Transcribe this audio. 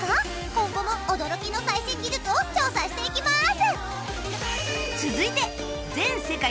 今後も驚きの最新技術を調査していきます！